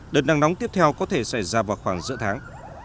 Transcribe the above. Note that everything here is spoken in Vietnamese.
đợt nắng nóng tiếp theo có thể xảy ra vào khoảng giữa tháng